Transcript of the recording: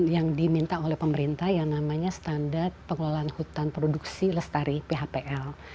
yang diminta oleh pemerintah yang namanya standar pengelolaan hutan produksi lestari phpl